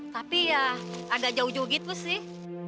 tapi ya agak jauh jauh gitu sih